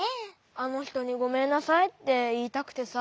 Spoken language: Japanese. あのひとにごめんなさいっていいたくてさ。